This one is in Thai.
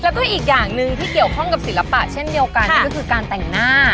แล้วก็อีกอย่างหนึ่งที่เกี่ยวข้องกับศิลปะเช่นเดียวกันนั่นก็คือการแต่งหน้า